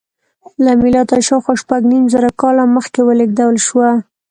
له میلاده شاوخوا شپږ نیم زره کاله مخکې ولېږدول شوه.